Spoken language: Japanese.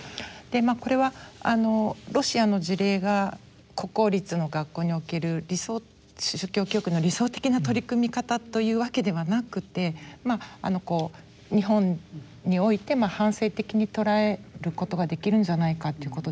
これはロシアの事例が国公立の学校における理想宗教教育の理想的な取り組み方というわけではなくて日本において反省的に捉えることができるんじゃないかっていうことですね。